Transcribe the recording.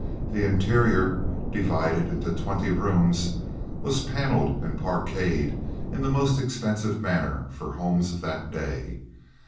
The interior, divided into twenty rooms, was paneled and parqueted in the most expensive manner for homes of that day.